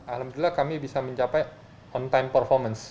alhamdulillah kami bisa mencapai on time performance